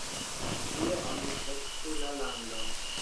Kie oni sekcu la landon?